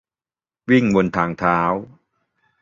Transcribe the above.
- วิ่งบนทางเท้า